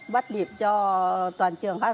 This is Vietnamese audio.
bắt điểm cho toàn trường khác